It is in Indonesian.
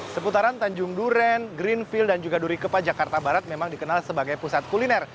seputaran tanjung duren greenville dan juga durikepa jakarta barat memang dikenal sebagai pusat kuliner